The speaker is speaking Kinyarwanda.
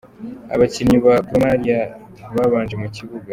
Abakinnyi ba Gor Mahia babanje mu kibuga:.